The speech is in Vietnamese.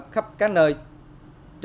tất cả những học viên